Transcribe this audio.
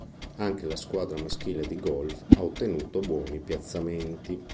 Anche la squadra maschile di golf ha ottenuto buoni piazzamenti.